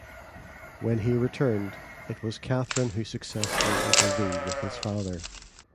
When he returned, it was Katherine who successfully intervened with his father.